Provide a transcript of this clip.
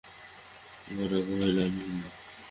গোরা কহিল, আমি হিন্দু।